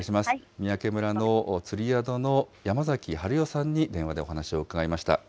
三宅村の釣り宿の山崎春代さんに電話でお話を伺いました。